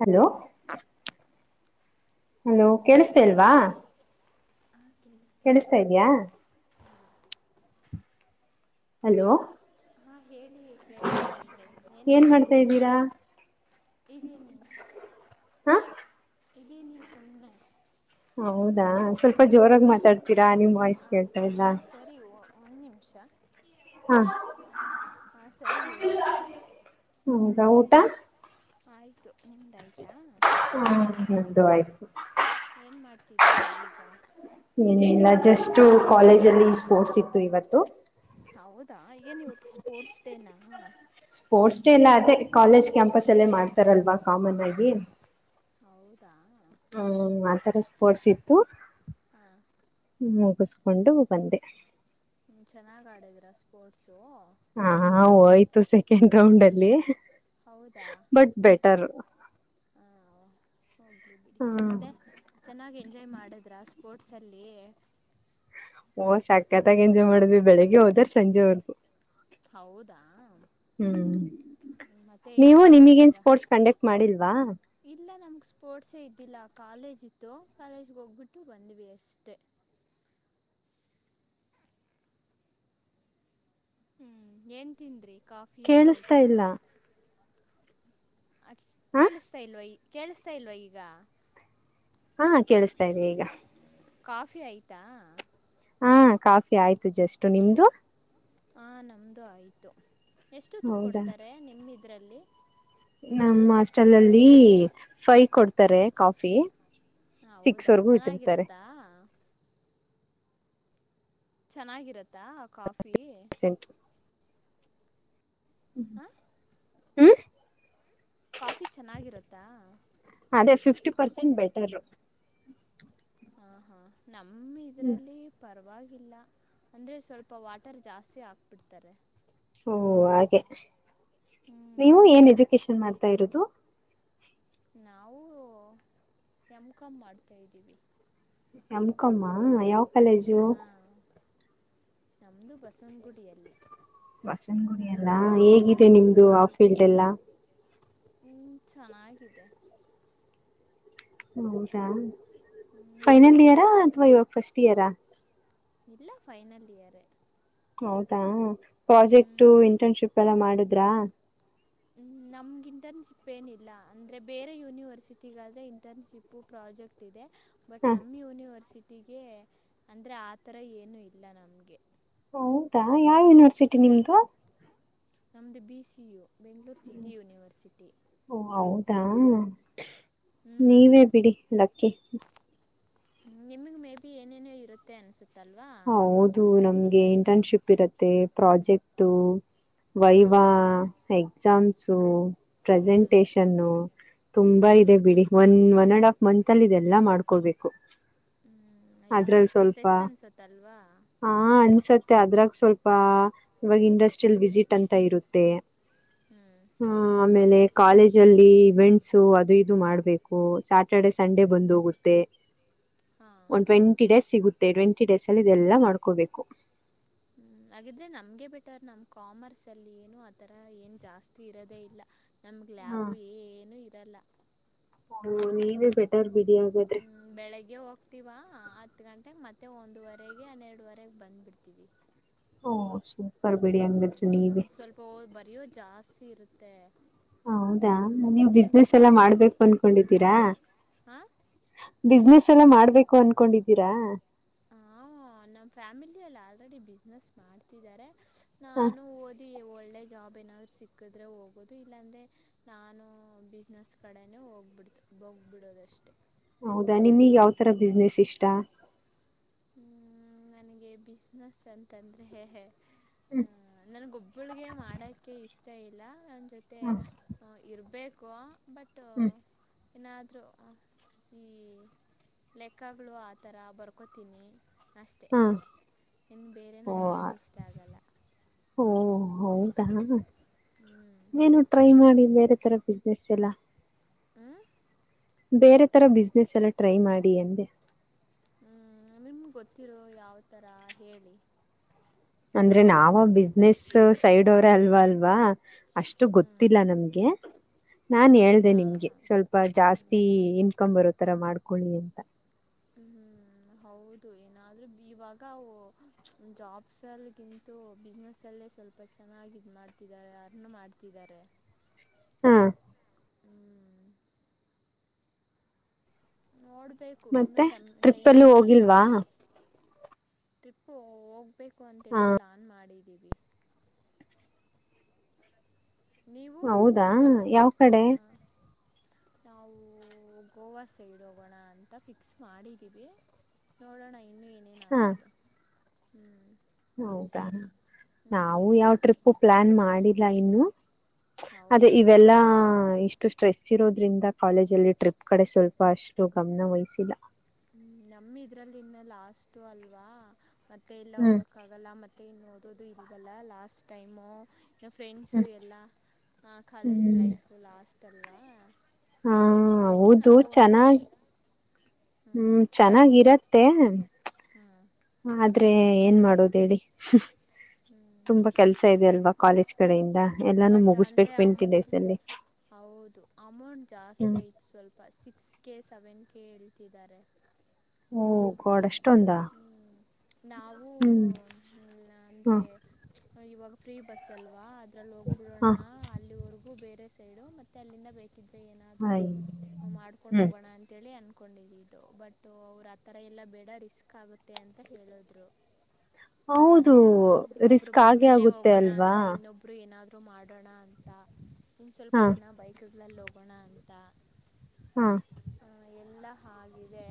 Hello hello ಕೇಳಿಸ್ದ ಇಲ್ವಾ ಹಹ ಕೇಳಿಸ್ತು ಕೇಳಿಸ್ತಾ ಇದ್ಯಾಾ ಹಲೋ ಹಾ ಹೇಳಿ ಕೇಳುಸ್ತಾ ಇದೆ ಏನ್ ಮಾಡ್ತಾ ಮಾಡ್ತಿದ್ದೀರಾ ಇದ್ದೀರಾ ಇದೀನಿ ಹ ಇದೀನಿ ಸುಮ್ಮನೆ ಹೌದಾ ಸ್ವಲ್ಪ ಜೋರಾಗ ಮಾತಾಡ್ತೀರಾ ನಿಮ್ಮ ವಾಯ್ಸ್ ಹಂ ಕೇಳ್ತಾ ಇಲ್ಲ ಹಾಂ ಸರಿ ಒಂದು ನಿಮಿಷ ಹ ಹಾ ಸರಿ ಹೇಳು ಹ್ಮ್ ಹೌದ ಊಟ ಆಯ್ತು ನಿಮ್ದಾಯ್ತಾ ಹ್ಮ ನಮ್ದು ಆಯ್ತು ಏನ್ ಮಾಡ್ತಿದ್ದೀರಾ ಈಗ ಇನ ಇಲ್ಲ ಜಸ್ಟ್ ಕಾಲೇಜ ಅಲ್ಲಿ ಸ್ಪೋರ್ಟ್ಸ್ ಇತ್ತು ಇವತ್ತು ಹೌದಾ ಏನ್ ಇವತ್ತು ಸ್ಪೋರ್ಟ್ಸ್ ಡೇನಾ ಸ್ಪೋರ್ಟ್ಸ್ ಡೇ ಎಲ್ಲ ಅೇ ಕಾಲೇಜ್ ಕ್ಯಾಂಪಸ್ ಅಲ್ಲೇ ಮಾಡ್ತಾರಲ್ವಾ ಕಾಮನ್ ಆಗಿ ಹೌದಾ ಹ್ಮ್ ಆತರ ಸ್ಪೋರ್ಟ್ಸ್ ಇತ್ತು ಹಾ ಮುಗಿಸ್ಕೊಂಡು ಬಂದೆ ಚೆನ್ನಾಗ್ ಆಡಿದ್ರಾ ಸ್ಪೋರ್ಟ್ಸು ಹ ಹ ಆಯ್ತು ಸೆಕೆಂಡ್ ರೌಂಡ್ ಅಲ್ಲಿ ಹೌದಾ ಬಟ್ ಬೆಟರ್ ಹಾ ಹೋಗ್ಲಿ ಬಿಡಿ ಹ್ಮ ಮತ್ತೆ ಚೆನ್ನಾಗಿ್ ಎಂಜಾಯ್ ಮಾಡಿದ್ರೆ ಸ್ಪೋರ್ಟ್ಸಲ್ಲಿ ಓಹ್ ಸಕತ್ತಾಗಿ ಎಂಜಾಯ್ ಮಾಡ್ವಿ ಬೆಳಗ್ ಹೋದ್ರ ಸಂಜೆವರೆಗೂ ಹೌದಾ ಹ್ಮ್ ಮತ್ತೆ ಏನು ನೀವು ನಿಮಗೇನ್ ಸಮಾಚಾರ ಸ್ಪೋರ್ಟ್ಸ್ ಕಂಡಕ್ಟ್ ಮಾಡಿಲ್ವಾ ಇಲ್ಲ ನಮ್ಗೆ ಸ್ಪೋರ್ಟ್ಸೇ ಇದ್ದಿಲ್ಲ ಕಾಲೇಜ್ ಇತ್ತು ಕಾಲೇಜ್ಗೆ ಹೋಗ್ಬಿಟ್ಟು ಬಂದ್ವಿ ಅಷ್ಟೇ ಹ್ಮ್ ಏನ್ ತನ್್ರಿ ಕಾಫಿ ಎಲ್ಲಾ ಕೇಳಿಸ್ತಾ ಆಯ್ತಾ ಇಲ್ಲ ಹ ಕೇಳಿಸ್ತಾ ಇಲ್ವ ಈ ಕೇಳಿಸ್ತಾ ಇಲ್ವ ಈಗ ಹಾ ಕೇಳಿಸ್ತಾ ಇ್ದಿ ಈಗ ಕಾಫಿ ಆಯಿತಾ ಹಾ ಕಾಫಿ ಆಯ್ತು ಜಸ್ಟ್ ನಿಮ್ದು ಹ ನಮ್ಮದುೂ ಆಯಿತು ಎಷ್ಟೊತ್ತು ಹೌದಾ ಕೊಡ್ತಾರೆ ನಿಮ್ಮ ಇದ್ರಲ್ಲಿ ನಮ್ಮ್ ಹಾಸ್ಟೆಲ್ ಅಲ್ಲಿ ಫೈ ಕೊಡ್ತಾರೆ ಕಾಫಿ ಹ ಸಿಕ್ಸ್ ಹೌದಾ ವರೆಗೂ ಇಟ್ಟಿರ್ತಾರೆ ಚೆನ್ನಾಗಿರತ್ತಾ ಚೆನ್ನಾಗಿರತ್ತಾ ಕಾಫಿ ತ್ಯಂ ಯು ಹಾ ಹ್ಮ್ ಕಾಫಿ ಚೆನ್ನಾಗಿರುತ್ತಾ ಅದೇ ಫಿಫ್ಟಿ ಪರ್ಸೆಂಟ್ ಬೆಟರ್ ಹ ಹಾ ನಮ್ಮ ಹ್ಮ್ ಇದ್ರಲ್ಲಿ ಪರವಾಗಿಲ್ಲ ಅಂದ್ರೆ ಸ್ವಲ್ಪ ವಾಟರ್ ಜಾಸ್ತಿ ಹಾಕ್ಬಿಡ್ತಾರೆ ಓ ಹಾಗೆ ಹ್ಞೂ ನೀವು ಏನ್ ಎಜುಕೇಶನ್ ಮಾಡ್ತಾ ಇರುೋದು ನಾವು ನಮ್ಕಂಬ ಮಾಡ್ತಾಯಿದ್ದೀವಿ ಯಮ್ಕಮ್ಮ ಯಾವ ಕಾಲೇಜು ಹಾ ನಮ್ದು ಬಸವನಗುಡಿಯಲ್ಲಿ ಬಸನಗುಡ ಎಲ್ಲಾ ಹೇಗಿದೆ ನಿಮ್ದು ಆ ಫೀಲ್ಡ್ ಎಲ್ಲಾ ಹ್ಮ ಸಾನಾ ಕಿದೆೇ ಹೌದಾ ನೀವು ಫೈನಲ್ ಇಯರಾ ಅಥ್ವಾ ಇವಾಗ ಫಸ್ಟ್ ಇಯರಾ ಇಲ್ಲ ಫೈನಲ್ ಇಯರ್ ಹೌದಾ ಹ್ಞೂ ಪ್ರಾಜೆಕ್ಟ ಇಂಟರ್ನ್ಶಿಪ್ ಎಲ್ಲ ಮಾಡಿದ್ರಾ ನಮ್ಗೆ ಇಂಟರ್ನ್ಶಿಪ್ ಏನಿಲ್ಲ ಅಂದ್ರೆ ಬೇರೆ ಯೂನಿವರ್ಸಿಟಿಗಳದೆ ಇಂಟರ್ನ್ಶಿಪ್ ು ಪ್ರಾಜೆಕ್ಟ್ ಇದೆ ಬಟ್ ಹ ನಮ್ಮ ಯೂನಿವರ್ಸಿಟಿಗೆ ಅಂದರೆ ಆ ಥರ ಏನುೂ ಇಲ್ಲ ನಮಗೆ ಹೌದಾ ಯಾವ್ ಯುನಿವರ್ಸಿಟಿ ನಿಮ್ದು. ನಮ್ದ್ ಬಿ ಸಿ ಯೋ ಬೆಂಗಳೂರ ಸಿಟಿ ಯೂನಿವರ್ಸಿಟಿ. ಓ ಹೌದಾ ಹ್ಞೂ [inaudible] ನೀವೇ ಬಿಡಿ ಲಕ್ಕಿ. ಹ್ಮ ನಿಮಗ್ ಮೇ ಬಿ ಏನೇನ ಇರುತ್ತೆ ಅನ್ಸುತ್ತೆ. ಹೌದು ನಮ್ಗೆ ಇಂಟರ್ನ್ಶಿಪ್ ಇರತ್ತೆ ಪ್ರಾಜೆಕ್ಟ ವೈವಾ ಹಾಂ ಎಕ್ಸಾಮ್ಸು ಹ್ಞೂ ಪ್ರೆಸೆಂಟೇಶನ್ನು ತುಂಬಾ ಹ್ಞೂ ಇದೆ ಬಿಡಿ. One one and half month ಅಲ್ಲಿ ಇದೆಲ್ಲಾ ಮಾಡ್ಕೊಡ್ಬೇಕು. ಹ್ಮ್ ಅಯ್ಯೋ ಸ್ವಲ್ಪ ಸ್ಟ್ರೆಸ್ ಅನ್ಸತ್ತ ಅಲ್ವಾ? ಹ ಅನ್ಸತ್ತೆ ಅದ್ರಾಗ ಸ್ವಲ್ಪ್ ಇವಾಗ ಇಂಡಸ್ಟ್ರಿಯಲ್ ವಿಸಿಟ್ ಅಂತ ಇರುತ್ತೆ. [unintelligible] ಹ್ಮ್ ಹ ಆಮೇಲೆ ಕಾಲೇಜ್ ಅಲ್ಲಿ ಇವೆಂಟ್ಸ್ ಅದು ಇದು ಮಾಡ್ಬೇಕು ಸಾ ಸಾಟರ್ಡೆ ಸಂಡೆ ಬಂದ್ ಹೋಗುತ್ತೆ. ಹಾಂ ಒಂದು ಟ್ವೆಂಟಿ ಡೇಸ್ ಸಿಗುತ್ತೆ ಟ್ವೆಂಟಿ ಡೇಸ್ ಅಲ್ಲಿ ಇದೆಲ್ಲಾ ಮಾಡ್ಕೋಬೇಕು. ಹ್ಮ ಹಾಗಿದ್ರೆ ನಮ್ಗೆ ಬೆಟರ್ ನಮ್ ಕಾಮರ್ಸ್ ಅಲ್ಲಿ ಏನು ಆತರ ಏನ್ ಜಾಸ್ತಿ ಇರೋದೇ ಇಲ್ಲ. ನಮ್ಗ್ ಹಾ ಲ್ಯಾಬು ಏನುೂ ಇರಲ್ಲ. ಹು ನೀವೇ ಬೆಟರ್ ಬಿಡಿ ಹಾಗಾದ್ರೆ. ಬೆಳಿಗ್ಗೆ ಹೋಗ್ತಿೀವಾ ಹತ್ ಗಂಟೆೆಗೆ ಮತ್ತೆ ಒಂದುವರೆಗೆ ಹನ್ನೆರಡುವರೆಗೆ ಬಂದ್ ಬಿಿಡ್ತೀವಿ. ಒಹ್ ಸೂಪರ್ ಬಿಡಿ ಹಂಗಿದರಿ ನೀವೆ ಒಹ್ ಬರಿಯೋದು ಜಾಸ್ತಿ ಇರುತ್ತೆ. ಹ್ಞೂ ಹೌದಾ ನೀವು ನಿಮಗೆ ಬಿಸ್ನೆಸ್ ಎಲ್ಲಾ ಪ್ರಾಕ್ಟೀಸ್ ಮಾಡ್ಬೇಕು ಅನ್ನ ಅನ್ನ ಕೊಂಡಿದ್ದೀರಾ ಹಾಂ ಬಿಸ್ನೆೆಸ್ ಎಲ್ಲ ಮಾಡ್ಬೇಕು ಅನ್ಕೊಂಡಿದ್ದೀರಾ? [unintelligible] ಹಾ ನಮ್ಮ್ ಫ್ಯಾಮಿಲಲ್ಲಿ ಆಲ್ರೆಡಿ ಬಿಸ್ನೆಸ್ ಮಾಡ್ತಿದ್ದಾರೆ ಹ ನಾನು [inaudible] ಒಳ್ಳೆ ಜಾಬ್ ಏನಾದರು ಸಿಕ್ಕಿದ್ರೆ ಹೋಗೋದು ಇಲ್ಲಾಂದರೆ ನಾನು ಬಿಸ್ನೆಸ್ ಕಡೆನೇ ಹೋಗ್ಬಿಡ್ತು. ಬೋಗ್ಬಿಡೋದಷ್ಟೇ. ಹೌದಾ ನಿಮಗ್ ಯಾವ ತರ ಬಿಸ್ನೆಸ್ ಇಷ್ಟ? ಹ ನನಗೆ ಬಿಸ್ನೆಸ್ ಅಂತಂದರೆೆ ಹ ಹ್ಮ್ ನನ್ಗೊಬ್ಬಳಿಗೆ ಮಾಡಕ್ಕೆ ಇಷ್ಟ ಇಲ್ಲ ನನ್ನ ಜೊತೆ ಹ್ಮ್ ಹಾ ಇರಬೇಕು ಬಟ್ ಹ್ಮ್ ಏನಾದ್ರೂ ಈ ಲೆಕ್ಕಗಳು ಆಥರ ಬರ್ಕೊ ತೀನಿ ಅಷ್ಟೇ ಹಾ ಇನ್ನು ಬೇರೆ ನನಗೇನುೂ ಇಷ್ಟ ಆಗಲ್ಲ. ಒಹ್ ಹೌದ ಹ್ಮ್ ಏನು ಟ್ರೈ ಮಾಡಿ ಬೇರೆ ತರ ಬಿಸ್ನೆಸ್ ಎಲ್ಲ. ಹ್ಮ ಬೇರೆ ತರ ಬಿಸ್ನೆಸ್ ಎಲ್ಲ ಟ್ರೈ ಮಾಡಿ ಎಂದೆ. ಹ್ಮ್ ನಿಮ್ಗೆ ಗೊತ್ತಿರೋ ಯಾವ ಥರ ಹೇಳಿ ಅಂದ್ರೆ ನಾವ ಬಿಸ್ನೆಸ್ ಸೈಡ್ ಅವ್ರ ಅಲ್ವಾ ಅಲ್ವಾ? ಅಷ್ಟು ಹ್ಞೂ ಗೊತ್ತಿಲ್ಲ ನಮ್ಗೆ. ನಾನ್ ಹೇಳ್ದ ಹೌದಾ ನಿನ್ಗೆ ಸ್ವಲ್ಪ ಹ್ಞೂ ಜಾಸ್ತಿ ಇನ್ಕಮ್ ಬರೋತರ ಮಾಡ್ಕೊಳ್ಳಿ ಅಂತ ಹ ಹ್ಮ್ ಹೌದು ಏನಾದ್ರೆ ಇವಾಗ ಅವ ಜಾಬ್. ಸಲ್ಗಿಂತೂ ಬಿಸ್ನೆಸ್ಸಲ್ಲೇ ಸ್ವಲ್ಪ ಚೆನ್ನಾಗಿ ಇದ ಮಾಡ್ತಿದ್ದಾರೆ ಅರ್ನ್ ಮಾಡ್ತಿದ್ದಾರೆ. ಹಾ ಹ್ಮ್ ನೋಡ್ಬೇಕು ಇನ್ನೂ ಮತ್ತೆ ಟಮ್ ಟ್ರಿಪ್ ಟೈಮ್ ಅಲ್ಲಿ ಇದೆ ಅಲ್ವಾ ಹೋಗಿಲ್ವಾ ಟ್ರಿಪ್ಪು ಹೋಗ್ಬೇಕು ಹ ಅಂತೇಳಿ ಪ್ಲಾನ್ ಮಾಡಿದ್ದೀವಿ ನೀವು ಹೌದಾ ನೀವೆಲ್ಲೂ ಯಾವ ಕಡೆ ಹ ನಾವು ಗೋವಾ ಸೈಡ್ ಹೋಗೋಣ ಅಂತ ಫಿಕ್ಸ್ ಮಾಡಿದ್ದೀವಿ ನೋಡೋಣ ಇನ್ನೂ ಇನ್ನೂ ಹಾ ಏನೇನಾಗುತ್ತೊ ಹ್ಮ್ ಹೌದಾ ನಾವು ಯಾವ ಟ್ರಿಪು ಪ್ಲಾನ್ ಮಾಡಿಲ್ಲ ಇನ್ನು ಅದೇ ಇವೆಲ್ಲಾ ಹೌದಾ ಇಷ್ಟ ಸ್ಟ್ರೆಸ್ ಇರೋದ್ರಿಂದ ಕಾಲೇಜಲ್ಲಿ ಟ್ರಿಪ್ ಕಡೆ ಸ್ವಲ್ಪ ಅಷ್ಟು ಗಮನ ವಹಿಸಿಲ್ಲ ಹ್ಮ್ ನಮ ಇದ್ರಲ್ಲಿ ಇನ್ನ ಲಾಸ್ಟು ಅಲ್ವಾ ಮತ್ತೆ ಎಲ್ಲಾ ಹ್ಮ್ ಹೋಗಕ ಆಗ ಗಲ್ಲ ಮತ್ತೆ ಇನ್ನು ಓದೂದು ಇಲ್ವಲ್ಲ ಲಾಸ್ಟ್ ಟೈಮು ಫ್ರೆಂಡ್ಸು ಹ್ಮ್ ಎಲ್ಲ ಕಾಲೇಜ್ ಹ್ಮ್ ಲೈಫು ಲಾಸ್ಟ್ ಅಲ್ವಾ ಹಾ ಅದಕ್ಕೆ ಹೌದು ನಾವು ಒಂ ಚೆನ್ನಾಗ್ ಹ್ಮ್ ಚೆನ್ನಾಗಿರತ್ತೆ ಹ್ಮ್ ಆದ್ರೆ ಏನ್ ಮಾಡೋದ ಹೇಳಿ ಹ್ಮ್ ತುಂಬಾ ಕೆಲ್ಸ ಇದೆ ಅಲ್ವಾ ಕಾಲೇಜ್ ಕಡೆಯಿಂದ ಹ್ಞೂ ಎಲ್ಲಾನು ಬಟ್ ಮುಗಸ್ಬೇಕ ಅಂದರೆ ಅಮ್ ಟ್ವೆಂಟಿ ಡೇಸ್ ಅಲ್ಲಿ ಹೌದು ಅಮೌಂಟ್ ಜಾಸ್ತಿ ಹ್ಮ್ ಆಯ್ತು ಸ್ವಲ್ಪ ಸಿಕ್ಸ್ ಕೆ ಸೆವೆನ್ ಕೆ ಹೇಳ್ತಿದ್ದಾರೆ ಓ ಗಾಡೇಷ್ಟ ಹ್ಮ್ ನಾವು ಹ್ಮ್ ಇಲ್ಲಾ ಹಾ ಅಂದ್ರೆ ಇವಾಗ ಫ್ರೀ ಬಸ್ ಅಲ್ವಾ ಅದ್ರಲ್ಲಿ ಹೋಗ್ಬಿಡೋಣ ಹಾ ಅಲ್ಲಿವರೆಗೂ ಬೇರೆ ಸೈಡು ಮತ್ತೆ ಅಲ್ಲಿಂದ ಬೇಕಿದ್ರೆ ಏನಾದ್ರು ಆಯ್ ಮಾಡ್ಕೊಂಡ್ ಹ್ಮ್ ಹೋಗೋಣ ಅ ಅಂತೇಳಿ ಅನ್ಕೊಂಡಿದಿದು ಬಟ್ ಅವ್ರು ಆಥರ ಎಲ್ಲ ಬೇಡ ರಿಸ್ಕ್ ಆಗುತ್ತೆ ಅಂತ ಹೇಳಿದ್ರು ಹೌದು ಹ್ಮ ಒಬ್ರು ರಿಸ್ಕ್ ಆಗೇ ಬಸ್ಸಲ್ಲೇ ಆಗುತ್ತೆ ಹೋಗೋಣ ಅಲ್ವಾ ಅಂತ ಇನ್ನೊಬ್ರು ಇಬ್ರು ಏನಾದ್ರು ಮಾಡೋಣ ಅಂತ ಇನ್ನ ಸ್ವಲ್ಪ ಹಾ ಜನ ಬೈಕ್ ಬೈಕ್ಕಗಳಲ್ಲ ಹೋಗೋಣ ಅಂತ ಹಾ ಹ ಎಲ್ಲ ಆಗಿದೆ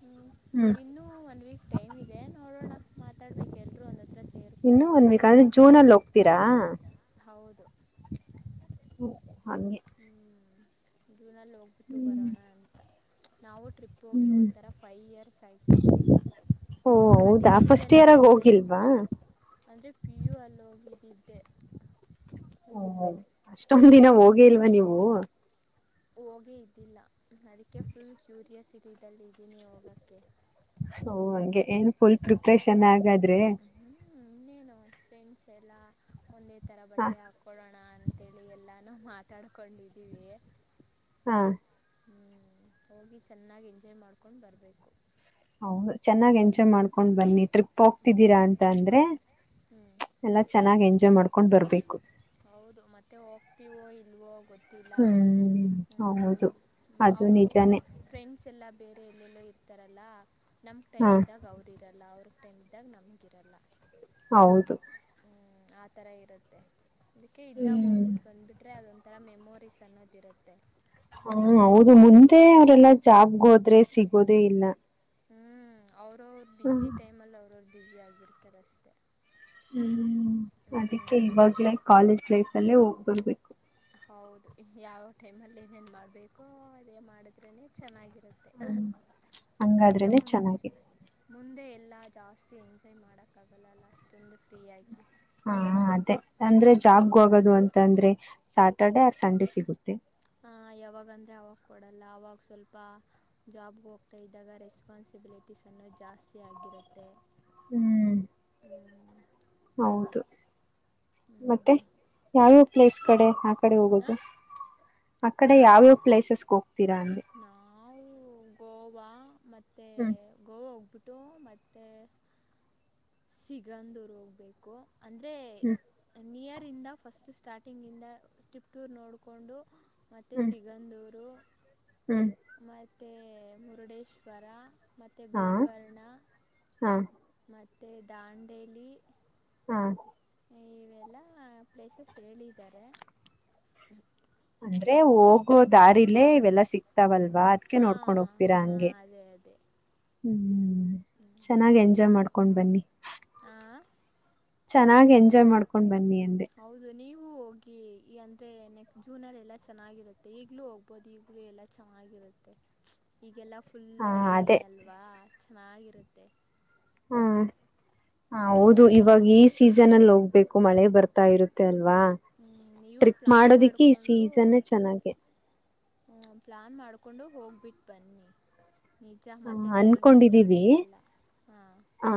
ಹ್ಮ ಹ್ಮ್ ಇನ್ನು ಹ ಒನ್ ವೀಕ್ ಟೈಮ್ ಇದೆ ನೋಡೋಣ ಮಾತಾಡ್ಬೇಕು ಎಲ್ರರು ಒಂದ್ ಹತ್ರ ಇನ್ನು ಸೇರಿಕೊಂಡು ಒಂದ್ ವೀಕ್ ಅಂದ್ರೆ ಜೂನ್ ಅಲ್ಲಿ ಹೋಗ್ತೀರಾ ಹೌದು ಹ ಹಂಗೆ ಹ್ಮ್ ಜೂನಲ್ಲಿ ಹೋಗ್ಬಿಟ್ಟು ಹ್ಮ್ ಬರೋಣ ಅಂತ ನಾವು ಟ್ರಿಪ್ ಹೋಗಿ ಹ್ಮ್ ಒಂಥರ ಫೈ ಇಯರ್ಸ್ ಆಯಿತು ಓ ಇವಾಗ ಹೌದಾ ಫಸ್ಟ್ ಡಿಗ್ರಿಯಲ್ಲಿ ಇಯರಾಗ ಎಂತ ಹೋಗಿಲ್ವಾ ಅಂದರೆ ಪಿ ಯು ಅಲ್ಲ ಹೋಗಿದ್ದಿದ್ದೆ ಹ್ಮ ಅಷ್ಟೊಂದ್ ದಿನ ಹ್ಮ್. ಹೋಗೆ ಇಲ್ವಾ ನೀವು ಹೋಗೇ ಇದ್ದಿಲ್ಲ ಅದಕ್ಕೆ ಫುಲ್ ಕ್ಯೂರಿಯಸಿಟದಲ್ಲ ಇದ್ದೀನಿ ಹೋಗಕ್ಕೆ ಓ ಹಂಗೆ ಏನ್ ಫುಲ್ ಪ್ರಿಪ್ರೇಷನ್ ಆಗಾದ್ರೆ ಹ್ಮ್ ಇನೇನು ಫ್ರೆಂಡ್ಸ್ ಎಲ್ಲ ಒಂದೇ ತರ ಹ ಬಟ್ಟೆ ಹಾಕ ಕೊಡೋಣ ಅಂತೇಳಿ ಎಲ್ಲಾನೂ ಮಾತಾಡ್ಕೊಂಡಿದ್ದೀವಿ ಹಾ ಹ್ಮ್ ಹೋಗಿ ಚೆನ್ನಾಗಿ ಎಂಜಾಯ್ ಮಾಡ್ಕೊಂಡು ಬರ್ಬೇಕು. ಹೌದು ಚೆನ್ನಾಗ್ ಎಂಜಾಯ್ ಮಾಡ್ಕೊಂಡ್ ಬನ್ನಿ ಟ್ರಿಪ್ ಹೋಗ್ತಿದ್ದೀರಾ ಅಂತ ಅಂದ್ರೆ. ಹ್ಞೂ ಎಲ್ಲ ಚೆನ್ನಾಗಿ ಎಂಜಾಯ್ ಮಾಡ್ಕೊಂಡ್ ಬರ್ಬೇಕು. ಹೌದು ಮತ್ತೆ ಹೋಗ್ತೀವೋ ಇಲ್ವೋ ಗೊತ್ ಇಲ್ಲ ಹ್ಮ್ ಹೌದು ಹ್ಮ್ ಅದು ಅವರು. ನಿಜಾನೇ ಫ್ರೆಂಡ್ಸ್ ಎಲ್ಲ ಬೇರೆ ಎಲ್ಲೆಲ್ಲೋ ಇರ್ತಾರಲ್ಲ ನಮ್ ಹಾ ಟೈಮ್ ಇದ್ದಾಗ ಅವರು. ಇರಲ್ಲ ಅವ್ರ ಟೆಮ್ದಾಗ ನಮಗಿರಲ್ಲ. ಹೌದು ಹ್ಮ್ ಆತರ ಇರುತ್ತೆ ಅದಕ್ಕೆ ಇದ್ದಾಗ ಹೋಗ್ [unintelligible] ಹ್ಮ್ ಟ್ಟು ಬಂದ್ಬಿಟ್ರೆ ಅದೊಂಥರ ಮೆಮೋರೀಸ್ ಅನ್ನೋದಿರುತ್ತೆ. ಹಾ ಹೌದು ಮುಂದೆ ಅವ್ರಲ್ಲಾ ಜಾಬ್ಗೊದ್ರೆ ಸಿಗೋದೇ ಇಲ್ಲ. ಹ್ಞೂ ಅವ್ರವರು ಹ ಬ್ಯುಸಿ ಟೈಮಲ್ಲಿ ಅವ್ರವರು ಬ್ಯುಸಿಯಾಗಿರ್ತಾರೆ ಅಷ್ಟೇ. ಹ್ಮ್ ಅದಕ್ಕೆ ಹ್ಞೂ ಇವಾಗಲೇ ಕಾಲೇಜ್ ಲೈಫ್ ಅಲ್ಲೇ ಹೋಗ್ಬರ್ಬೇಕು. ಹೌದು ಯಾವವ ಟೈಮಲ್ಲಿ ಏನೇನ್ ಮಾಡ್ಬೇಕೋ ಅದೇ ಮಾಡಿದ್ರೆನೆ ಚೆನ್ನಾಗಿರುತ್ತೆ. ತ್ತೆ ಹಂಗಾದ್ರೇನೆ ಮುನ್ನಿ ಚೆನ್ನಾಗಿ ಮುಂದೆ ಎಲ್ಲ ಜಾಸ್ತಿ ಎಂಜಾಯ್ ಮಾಡೋಕ್ಕಾಗಲ್ಲಲ್ಲ ಅಷ್ಟೊಂದು ಫ್ರೀಯಾಗಿ. ಹಾ ಅದೇ ಅಂದ್ರೆ ಜಾಬ್ಗೆ ಹೋಗೋದು ಅಂತ ಅಂದ್ರೆ ಸ್ಯಾಟರ್ಡೆ ಆರ್ ಸಂಡೆ ಸಿಗುತ್ತೆ. ಹ ಯಾವಾಗಂದ್ರೆ ಅವಾಗ ಕೊಡಲ್ಲ ಅವಾಗ ಸ್ವಲ್ಪ. ಜಾಬ್ಗೆ ಹೋಗ್ತಾ ಇದ್ದಾಗ ರೆಸ್ಪಾನ್ಸಿಬಿಲಿಟಿಸ್ ಅನ್ನೋ ಜಾಸ್ತಿ ಆಗಿರುತ್ತೆ. ಹ್ಮ್ ಹ್ಮ್ ಹೌದು ಹ್ಞೂ ಮತ್ತೆ ಯಾವ್ಯಾವ ಪ್ಲೇಸ್ ಕಡೆ ಆ ಕಡೆ ಹೋಗೋದು. ಹಾಂ ಆ ಕಡೆ ಯಾವ್ಯಾವ್ ಪ್ಲೇಸಸ್ಗೆ ಹೋಗ್ತೀರಾ ಅಂದೆ. ನಾವು ಗೋವಾ ಮತ್ತೆ ಹ್ಮ್ ಗೋವಾ ಹೋಗ್ಬಿಟ್ಟ್ [unintelligible] ಟ್ಟು ಮತ್ತೆ ಸಿಗಂದರು ಹೋಗ್ಬೇಕು. ಅಂದರೆ ಹ್ಮ್ ನಿಯರಿಂದ ಫಸ್ಟ್ ಸ್ಟಾರ್ಟಿಂಗಿಂದ ತಿಪ್ಟೂರ್ ನೋಡಿಕೊಂಡು. ಮತ್ತೇ ಹ್ಮ್ ಸಿಗಂದೂರು. ಹ್ಮ್ ಮತ್ತೆ ಮುರುಡೇಶ್ವರ ಮತ್ತೆ ಹಾ ಗೋಕರ್ಣ. ಹಾ ಮತ್ತೇ ದಾಂಡೇಲಿ. ಹಾ ಇವೆಲ್ಲ ಪ್ಲೇಸಸ್ ಹೇಳಿದ್ದಾರೆ. ಅಂದ್ರೆ ಹೋಗೋ ದಾರಲೆ ಇವೆಲ್ಲಾ ಸಿಕ್ತಾವಲ್ವಾ. ಅದಕ್ಕೇ ನೋಡ್ಕೊಂಡ್ ಹಾಂ ಹೋಗ್ತೀರಾ ಹಾಂ ಹಂಗೆ. ಅದೇ ಅದೇ ಹ್ಮ ಹ್ಞೂ ಚೆನ್ನಾಗಿ ಎಂಜಾಯ್ ಮಾಡ್ಕೊಂಡ್ ಬನ್ನಿ. ಆ ಚೆನ್ನಾಗಿ ಎಂಜಾಯ್ ಮಾಡ್ಕೊಂಡ್ ಬನ್ನಿ ಅಂದೆ. ಹೌದು ನೀವು ಹೋಗಿ ಈ ಅಂದ್ರೆ ನೆಕ್ಸ್ಟ್ ಜೂನಲ್ಲಿ ಎಲ್ಲ ಚೆನ್ನಾಗಿರುತ್ತೆ ಈಗ್ಲೂ ಹೋಗ್ [unintelligible] ದು ಈಗಲು ಎಲ್ಲ ಚೆನ್ನಾಗಿರುತ್ತೆ ಈಗೆಲ್ಲ ಫ್ ಫುಲ್ ಹಾ ರೈನಿ ಅದೇ ಅಲ್ವಾ ಚೆನ್ನಾಗಿರುತ್ತೆ. ಹ್ಮ ಹ ಹೌದು ಇವಾಗ ಈ ಸೀಸನ್ ಅಲ್ಲಿ ಹೋಗ್ಬೇಕು ಮಳೆ ಬರ್ತಾ ಇರುತ್ತೆ ಅಲ್ವಾ. ಹ್ಮ್, ನೀವು ಟ್ರಿಪ್ ಪ್ಲ್ಯಾನ್ ಮಾಡೋದಿಕ್ಕೆ ಈ ಮಾಡಿಕೊಂಡು ಸೀಸನ್ನೇ ಚೆನ್ನಾಗಿ. ಹ್ಞ ಪ್ಲ್ಲಾನ್ ಮಾಡ್ಕೊಂಡು ಹೋಗ್ಬಿಟ್ಟು ಬನ್ನಿ. ನಿಜ ಹ ಮತ್ತೆ ಟೈಮ್ೆಲ್ಲ ಅನ್ಕೊಂಡಿದೀವಿ ಸಿಗಲ್ಲ ಹಾಂ ಆ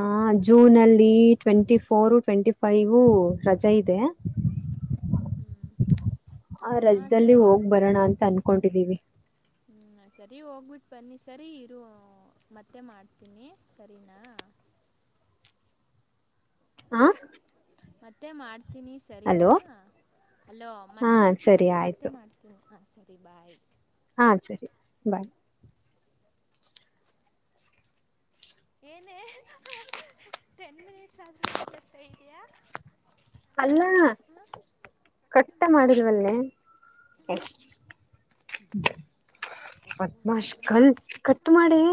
ಜೂನ್ ಅಲ್ಲಿ ಟ್ವೆಂಟಿ ಫೋರ್ ಟ್ವೆಂಟಿ ಫೈವ ರಜೆ ಇದೆ [inaudible] ಹ್ಮ್ ಆ ಹಾ ರಜದಲ್ಲಿ ಸರಿ ಹೋಗ್ ಬರೋಣ ಅಂತ ಅನ್ಕೊಂಡಿದ್ದೀವಿ ಹ್ಮ್ ಸರಿ ಹೋಗ್ಬಿಟ್ಟ ಬನ್ನಿ ಸರಿ ಇರು ಮತ್ತೆ ಮಾಡ್ತೀನಿ ಸರಿನಾ ಹಾ ಮತ್ತೆ ಮಾಡ್ತೀನಿ ಸರಿನಾ ಅಲೋ ಅಲೋ ಹಾ ಮತ್ತೆ ಬಿಟ್ ಸರಿ ಮತ್ತೆ ಆಯ್ತು ಮಾಡ್ತೀನಿ ಹ ಸರಿ ಬಾಯ ಹಾ ಸರಿ ಬಾಯ್ [unintelligible] ಏನೇ ಟೆನ್ ಮಿನಿಟ್ಸ್ ಆದ್ರೂ ಮಾತಾಡ್ತಾ ಇದಯಾ ಅಲ್ಲಾ ಕಟ್ಟ ಮಾಡಲ್ವಲ್ಲೇ ಪದ್ಮಾಶ್ ಅಲ್ಲ ಕಲ್ ಕಟ್ ಮಾಡಿ